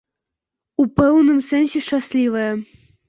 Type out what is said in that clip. У пэўным сэнсе, шчаслівае.